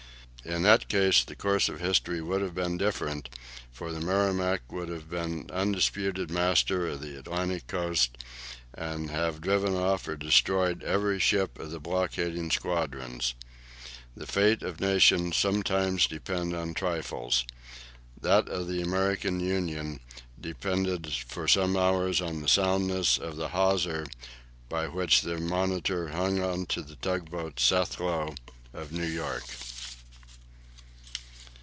In that case the course of history would have been different, for the "Merrimac" would have been undisputed master of the Atlantic coast, and have driven off or destroyed every ship of the blockading squadrons. The fates of nations sometimes depend on trifles. That of the American Union depended for some hours on the soundness of the hawser by which the "Monitor" hung on to the tug boat "Seth Low" of New York.